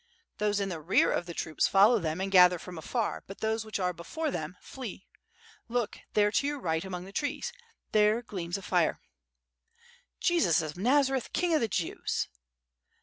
"Those in the rear of the troops follow them, and gather from afar, but those which are before them, flee. Look, there to your right among the trees. There gleams a fire." "Jesus of Nazareth, King of the Jew.s!"